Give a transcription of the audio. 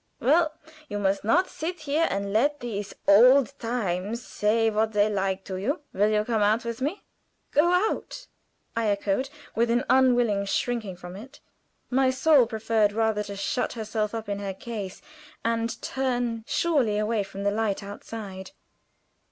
"Well, you must not sit here and let these old times say what they like to you. Will you come out with me?" "Go out!" I echoed, with an unwilling shrinking from it. My soul preferred rather to shut herself up in her case and turn surlily away from the light outside.